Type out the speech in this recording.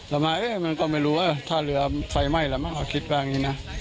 แต่ไม่รู้ถ้าเหลือไฟไหม้คิดแบบนี้นะ